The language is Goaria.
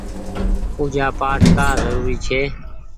پوجآ پآٽ ڪآ زروري ڇي۔